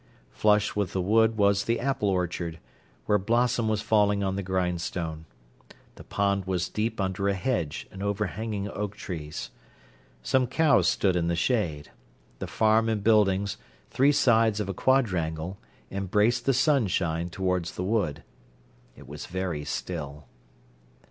Flush with the wood was the apple orchard, where blossom was falling on the grindstone. The pond was deep under a hedge and overhanging oak trees. Some cows stood in the shade. The farm and buildings, three sides of a quadrangle, embraced the sunshine towards the wood. It was very still.